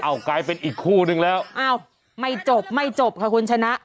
เอากลายเป็นอีกคู่นึงแล้วอ้าวไม่จบไม่จบค่ะคุณชนะ